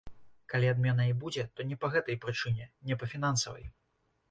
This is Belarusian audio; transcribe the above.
Калі адмена і будзе, то не па гэтай прычыне, не па фінансавай.